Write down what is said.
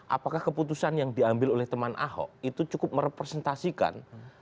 apakah keputusan yang diambil oleh teman ahok itu cukup merepresentasikan